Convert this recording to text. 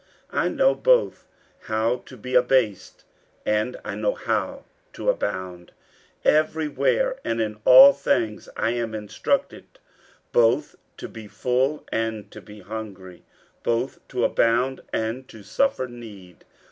50:004:012 I know both how to be abased, and I know how to abound: every where and in all things I am instructed both to be full and to be hungry, both to abound and to suffer need.